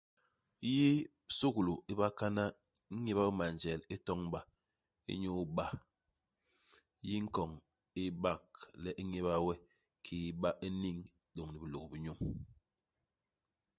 Yi si suglu i bakana, i ñéba we manjel i toñba, inyu iba. Yi i nkoñ i bak le i ñéba we kiki ba u niñ lôñni bilôk bi nyuñ.